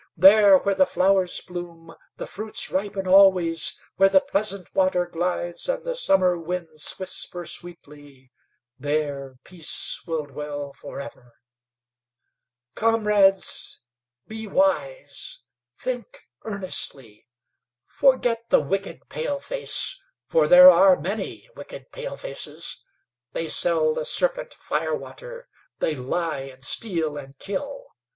There, where the flowers bloom, the fruits ripen always, where the pleasant water glides and the summer winds whisper sweetly, there peace will dwell forever. "Comrades, be wise, think earnestly. Forget the wicked paleface; for there are many wicked palefaces. They sell the serpent firewater; they lie and steal and kill.